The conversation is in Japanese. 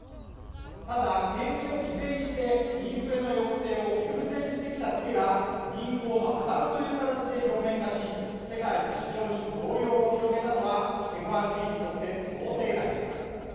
ただ、景気を犠牲にして、インフレの抑制を優先してきたツケが、銀行の破綻という形で表面化し、世界の市場に動揺を広げたのは、ＦＲＢにとって想定外でした。